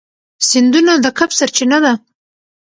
سیندونه د کب سرچینه ده.